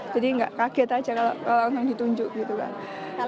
jadi gak kaget aja kalau langsung ditunjuk gitu kan